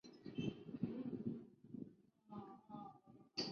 可是要长达十小时就不行了